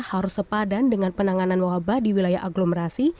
harus sepadan dengan penanganan wabah di wilayah aglomerasi